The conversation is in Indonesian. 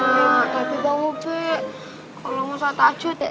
kalau musah tahajud